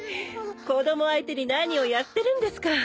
子供相手に何をやってるんですか。